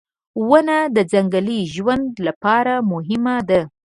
• ونه د ځنګلي ژوند لپاره مهمه ده.